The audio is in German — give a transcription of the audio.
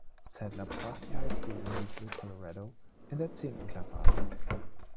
Sadler brach die High School in Leadville, Colorado, in der zehnten Klasse ab.